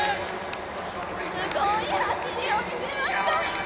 すごい走りを見せました。